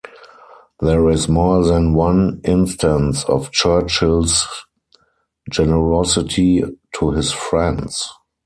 There is more than one instance of Churchill's generosity to his friends.